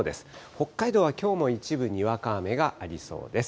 北海道はきょうも一部にわか雨がありそうです。